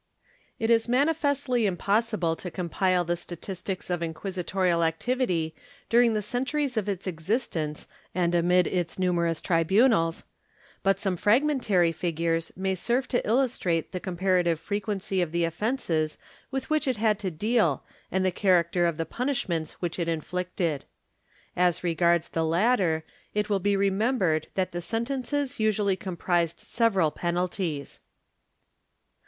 It is manifestly impossible to compile the statistics of inquisitorial activity during the centuries of its existence and amid its numerous tribunals, but some fragmentary figm es may serve to illustrate the comparative frequency of the offences with which it had to deal and the character of the punishments which it inflicted. As regards the latter it will be remembered that the sentences usually comprised several penalties.